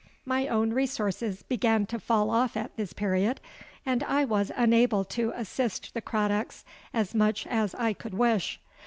"My own resources began to fall off at this period, and I was unable to assist the Craddocks as much as I could wish.